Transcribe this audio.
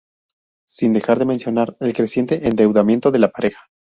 Sin dejar de mencionar el creciente endeudamiento de la pareja.